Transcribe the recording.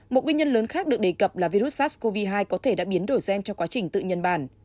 một nguyên nhân lớn khác được đề cập là virus sars cov hai có thể đã biến đổi gen cho quá trình tự nhân bản